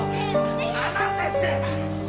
離せって。